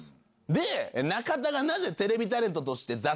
で中田がなぜテレビタレントとして挫折したか。